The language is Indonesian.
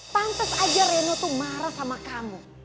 pantes aja reno tuh marah sama kamu